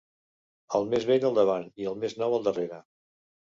El més vell al davant i el més nou al darrere.